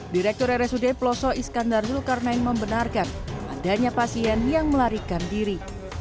direktur rsud peloso iskandar zulkarnain membenarkan adanya pasien yang melarikan diri